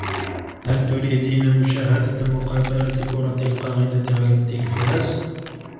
هل تريدين مشاهدة مقابلة كرة القاعدة على التلفاز؟